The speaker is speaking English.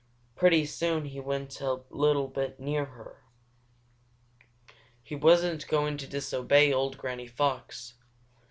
Pretty soon he went a little bit nearer. He wasn't going to disobey old Granny Fox.